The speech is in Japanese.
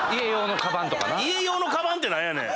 家用のカバンって何やねん！